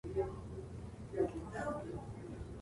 Suenan más grave o más agudo en función de su tamaño.